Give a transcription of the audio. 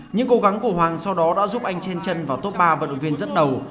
những cố gắng của hoàng sau đó đã giúp anh trên chân vào top ba vận động viên dẫn đầu